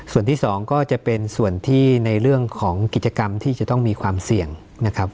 ส่วนที่สองก็จะเป็นส่วนที่ในเรื่องของกิจกรรมที่จะต้องมีความเสี่ยงนะครับ